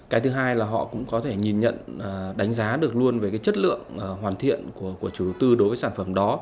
cái thứ hai là họ cũng có thể nhìn nhận đánh giá được luôn về cái chất lượng hoàn thiện của chủ đầu tư đối với sản phẩm đó